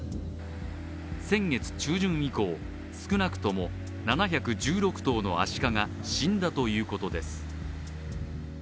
先月中旬以降、少なくとも７１６頭のアシカが死んだということです。